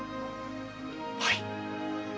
はい！